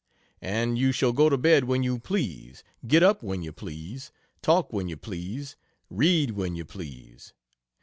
And you shall go to bed when you please, get up when you please, talk when you please, read when you please.